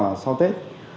trong và sau tết